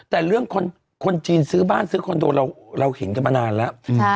แต่เรื่องคนจีนซื้อบ้านซื้อคอนโดเราเห็นกันมานานแล้ว